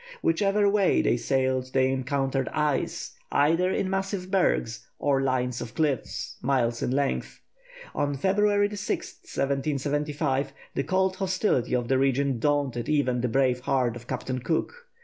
Whichever way they sailed they encountered ice, either in massive bergs, or lines of cliffs, miles in length. On February 6, 1775, the cold hostility of the region daunted even the brave heart of Captain Cook.